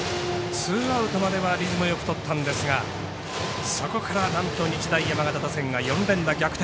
ツーアウトまではリズムよくとったんですがそこから、なんと日大山形打線が４連打逆転。